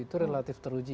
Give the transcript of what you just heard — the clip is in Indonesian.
itu relatif teruji